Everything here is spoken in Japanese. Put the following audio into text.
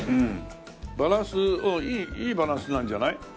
バランスいいバランスなんじゃない？